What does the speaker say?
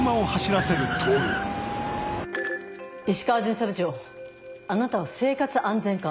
石川巡査部長あなたは生活安全課。